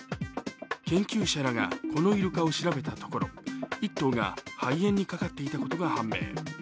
研究者らがこのイルカを調べたところ１頭が肺炎にかかっていたことが判明。